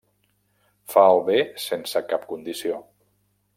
Fa el bé sense cap condició.